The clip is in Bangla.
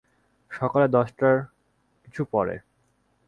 সকালে দশটার কিছু পরে।